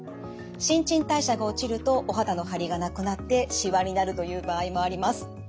新陳代謝が落ちるとお肌の張りがなくなってしわになるという場合もあります。